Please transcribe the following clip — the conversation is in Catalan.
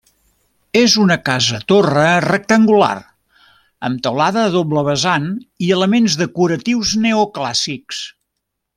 És una casa-torre rectangular, amb teulada a doble vessant i elements decoratius neoclàssics.